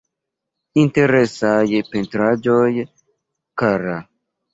Interesaj pentraĵoj, kara.